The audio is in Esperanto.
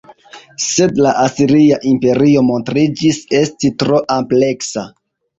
Sed la asiria imperio montriĝis esti tro ampleksa.